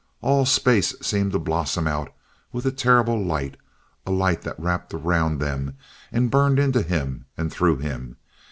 All space seemed to blossom out with a terrible light, a light that wrapped around them, and burned into him, and through him.